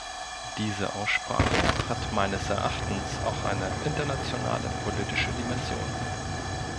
Diese Aussprache hat meines Erachtens auch eine internationale politische Dimension.